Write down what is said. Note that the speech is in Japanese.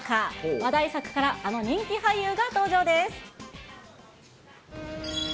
話題作からあの人気俳優が登場です。